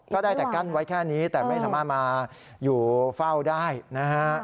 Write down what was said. ก็ได้แต่กั้นไว้แค่นี้แต่ไม่สามารถมาอยู่เฝ้าได้นะฮะ